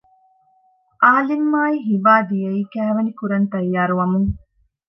އާލިމްއާއި ހިބާ ދިޔައީ ކައިވެނި ކުރަން ތައްޔާރު ވަމުން